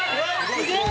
・すげえ！